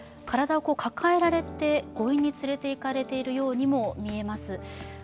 体を抱えられて強引に連れていかれているようにも見えます。